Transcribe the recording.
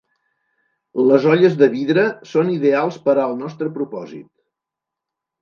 Les olles de vidre són ideals per al nostre propòsit.